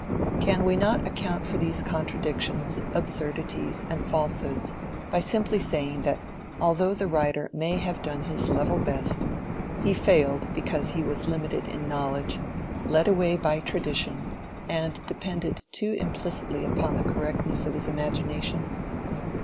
Can we not account for these contradictions, absurdities, and falsehoods by simply saying that although the writer may have done his level best, he failed because he was limited in knowledge, led away by tradition, and depended too implicitly upon the correctness of his imagination?